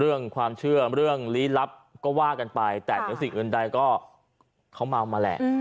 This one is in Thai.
เรื่องความเชื่อเรื่องลี้ลับก็ว่ากันไปแต่เหนือสิ่งอื่นใดก็เขาเมามาแหละ